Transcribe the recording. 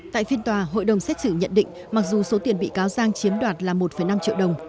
tại phiên tòa hội đồng xét xử nhận định mặc dù số tiền bị cáo giang chiếm đoạt là một năm triệu đồng